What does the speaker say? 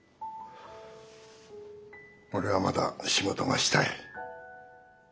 俺はまだ仕事がしたい。